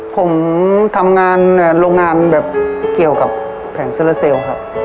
ผมทำงานโรงงานแบบเกี่ยวกับแผงโซลาเซลล์ครับ